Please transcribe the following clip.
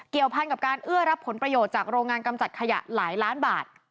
พันกับการเอื้อรับผลประโยชน์จากโรงงานกำจัดขยะหลายล้านบาท